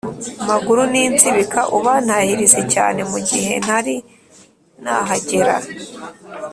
Maguru n insibika ubantahirize cyane mu gihe ntari nahagera